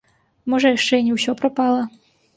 Можа, яшчэ і не ўсё прапала?